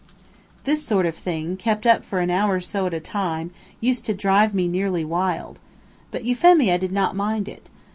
This sort of thing, kept up for an hour or so at a time, used to drive me nearly wild. But Euphemia did not mind it.